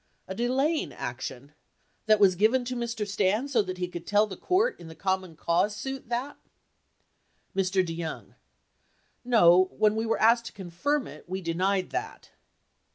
A delaying action ? That was given to Mr. Stans so he could tell the court in the Common Cause suit that? Mr. DeYoung. No, when we were asked to confirm it we denied that.